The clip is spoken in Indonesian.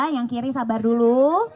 yang kiri sabar dulu